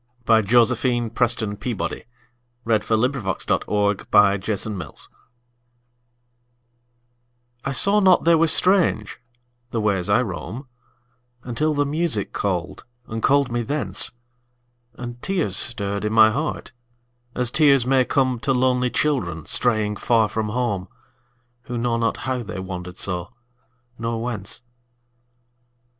By Josephine PrestonPeabody 1671 After Music I SAW not they were strange, the ways I roam, Until the music called, and called me thence, And tears stirred in my heart as tears may comeTo lonely children straying far from home, Who know not how they wandered so, nor whence.